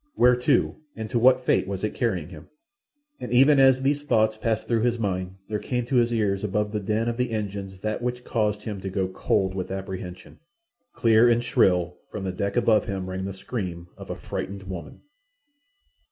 Where to and to what fate was it carrying him? And even as these thoughts passed through his mind there came to his ears above the din of the engines that which caused him to go cold with apprehension. Clear and shrill from the deck above him rang the scream of a frightened woman.